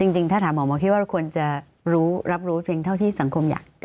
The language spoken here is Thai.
จริงถ้าถามหมอหมอคิดว่าเราควรจะรู้รับรู้เพียงเท่าที่สังคมอยาก